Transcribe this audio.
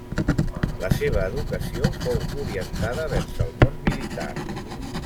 La seva educació fou orientada vers el món militar.